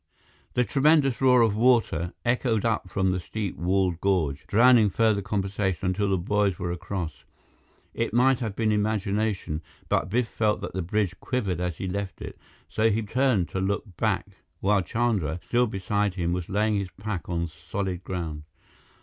The tremendous roar of water echoed up from the steep walled gorge, drowning further conversation until the boys were across. It might have been imagination, but Biff felt that the bridge quivered as he left it, so he turned to look back while Chandra, still beside him, was laying his pack on solid ground.